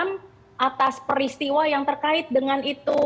mungkin geram atas peristiwa yang terkait dengan itu